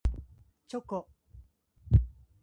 チョコ